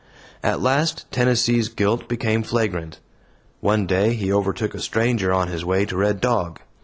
At last Tennessee's guilt became flagrant. One day he overtook a stranger on his way to Red Dog.